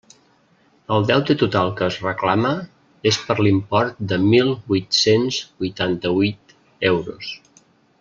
El deute total que es reclama és per l'import de mil huit-cents huitanta-huit euros.